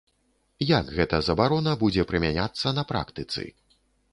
Як гэта забарона будзе прымяняцца на практыцы?